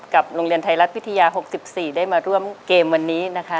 โรงเรียนไทยรัฐวิทยา๖๔ได้มาร่วมเกมวันนี้นะคะ